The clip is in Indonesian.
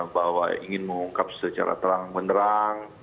bahwa ingin mengungkap secara terang menerang